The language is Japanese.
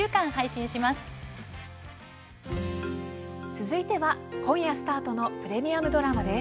続いては、今夜スタートのプレミアムドラマです。